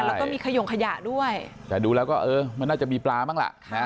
แล้วก็มีขยงขยะด้วยแต่ดูแล้วก็เออมันน่าจะมีปลาบ้างล่ะนะ